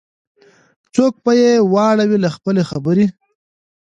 څوک به یې واړوي له خپل خبري